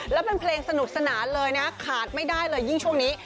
แล้วเป็นเพลงสนุกสนานเลยนะขาดไม่ได้เลยยิ่งช่วงนี้